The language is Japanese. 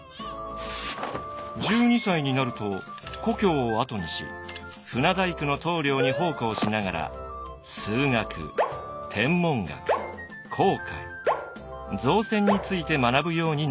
１２歳になると故郷を後にし船大工の棟梁に奉公しながら数学天文学航海造船について学ぶようになります。